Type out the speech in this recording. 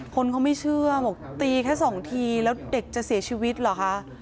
คนเขาไม่เชื่อบอกตีแค่สองทีแล้วเด็กจะเสียชีวิตเหรอคะ